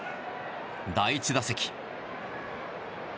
第１打席。